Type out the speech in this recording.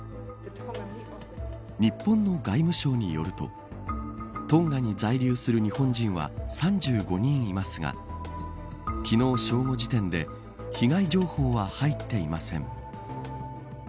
日本の外務省によるとトンガに在留する日本人は３５人いますが昨日、正午時点で被害情報は入っていません。